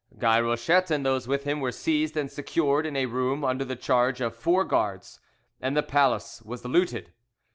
Guy Rochette and those with him were seized and secured in a room under the charge of four guards, and the palace was looted.